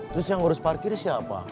terus yang ngurus parkir siapa